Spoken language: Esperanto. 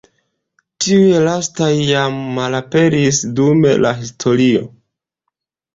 Tiuj lastaj jam malaperis dum la historio.